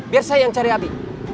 biar saya yang cari api